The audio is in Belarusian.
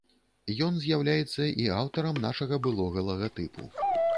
Ён з'яўляецца і аўтарам нашага былога лагатыпу.